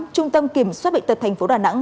trung tâm kiểm soát bệnh tật thành phố đà nẵng